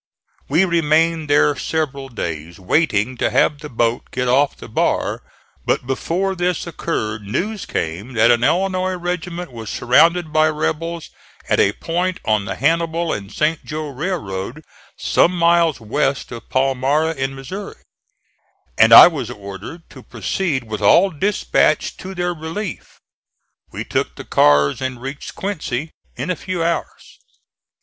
We remained there several days waiting to have the boat get off the bar, but before this occurred news came that an Illinois regiment was surrounded by rebels at a point on the Hannibal and St. Joe Railroad some miles west of Palmyra, in Missouri, and I was ordered to proceed with all dispatch to their relief. We took the cars and reached Quincy in a few hours.